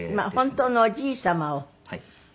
本当のおじい様を。